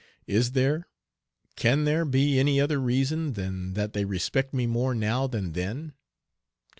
Is there, can there be any other reason than that they respect me more now than then?